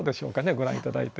ご覧頂いて。